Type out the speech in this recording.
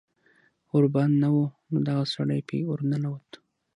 ور بند نه و نو دغه سړی پې ور ننوت